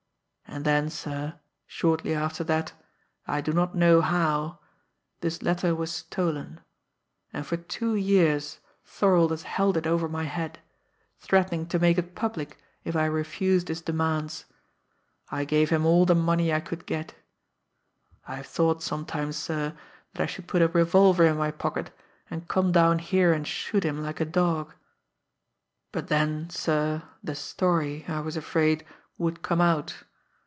And then, sir, shortly after that, I do not know how, this letter was stolen, and for two years Thorold has held it over my head, threatening to make it public if I refused his demands; I gave him all the money I could get. I have thought sometimes, sir, that I should put a revolver in my pocket and come down here and shoot him like a dog but then, sir, the story, I was afraid, would come out.